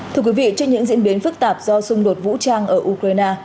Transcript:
thưa quý vị trên những diễn biến phức tạp do xung đột vũ trang ở ukraine